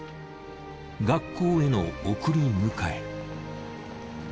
学校への送り迎え。